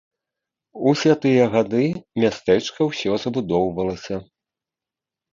Усе тыя гады мястэчка ўсё забудоўвалася.